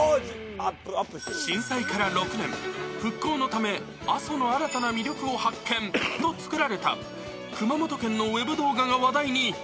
震災から６年、復興のため、阿蘇の新たな魅力を発見、と作られた熊本県のウェブ動画が話題に。